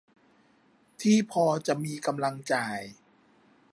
ที่พอจะมีกำลังจ่าย